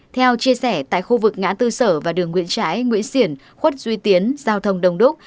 theo chia sẻ tại khu vực ngã tư sở và đường nguyễn trãi nguyễn xiển khuất duy tiến giao thông đông đúc